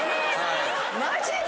マジで！？